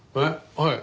はい。